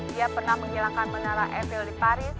dia pernah menghilangkan menara evel di paris